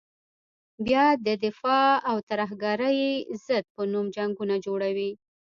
بیا د دفاع او ترهګرې ضد په نوم جنګونه جوړوي.